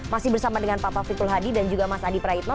masih bersama dengan pak taufikul hadi dan juga mas adi praitno